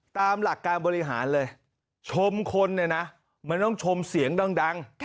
ตามหลักการบริหารเลยชมคนเนี่ยนะมันต้องชมเสียงดัง